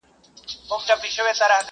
چي چاره د دې قاتل وکړي پخپله٫